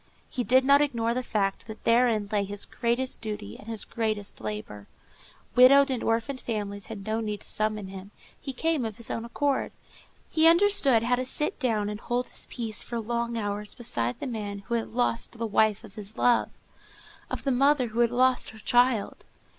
He did not ignore the fact that therein lay his greatest duty and his greatest labor. Widowed and orphaned families had no need to summon him; he came of his own accord. He understood how to sit down and hold his peace for long hours beside the man who had lost the wife of his love, of the mother who had lost her child.